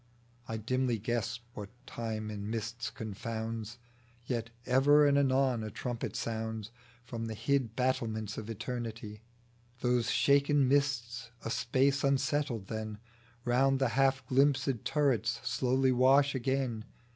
I dimly guess what Time in mists confounds ; Yet ever and anon a trumpet sounds From the hid battlements of Eternity ; Those shaken mists a space unsettle, then Round the half glimpsed turrets slowly wash again.